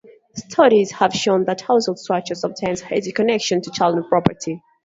Studies have shown that household structure sometimes has a connection to childhood poverty.